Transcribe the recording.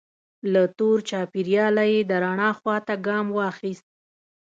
له تور چاپیریاله یې د رڼا خوا ته ګام واخیست.